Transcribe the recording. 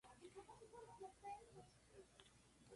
Históricamente, fue el centro de la red ferroviaria de la provincia.